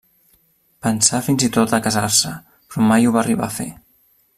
Pensà fins i tot a casar-se, però mai ho va arribar a fer.